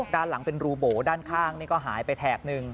ด้านหลังเป็นรูโบด้านข้างนี่ก็หายไปแถบหนึ่ง